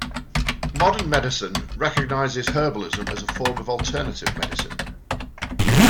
Modern medicine recognizes herbalism as a form of alternative medicine.